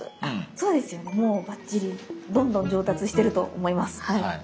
そうですよねもうバッチリどんどん上達してると思います。